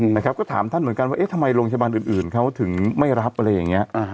นะครับก็ถามท่านเหมือนกันว่าเอ๊ะทำไมโรงพยาบาลอื่นเขาถึงไม่รับอะไรอย่างนี้